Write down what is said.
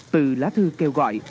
từ lá thư kêu gọi